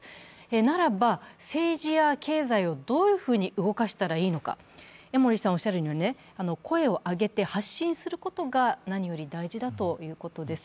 ならば、政治や経済をどういうふうに動かしたらいいのか江守さんがおっしゃるには声を上げて発信することが何より大事だということです。